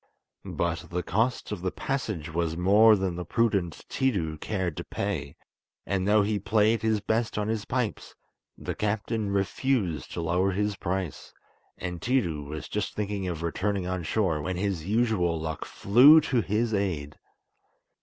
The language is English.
But the cost of the passage was more than the prudent Tiidu cared to pay, and though he played his best on his pipes, the captain refused to lower his price, and Tiidu was just thinking of returning on shore when his usual luck flew to his aid.